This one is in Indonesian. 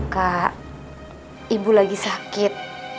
kak ibu lagi sakit